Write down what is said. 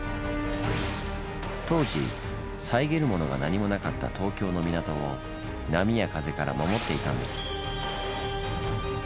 当時遮る物が何もなかった東京の港を波や風から守っていたんです。